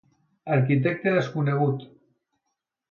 Arquitecte desconegut.